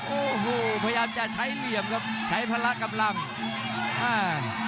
โอ้โหพยายามจะใช้เหลี่ยมครับใช้พละกำลังอ่า